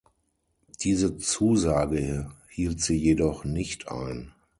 Diese Zusage hielt sie jedoch nicht ein.